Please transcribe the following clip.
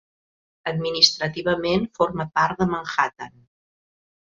Administrativament forma part de Manhattan.